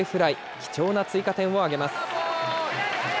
貴重な追加点を挙げます。